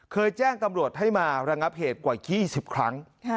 แจ้งตำรวจให้มาระงับเหตุกว่า๒๐ครั้ง